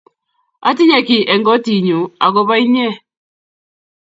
Atinye kiy eng' kotit nyu akopo inye